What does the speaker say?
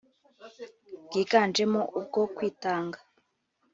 bwigajemo ubwo kwitanga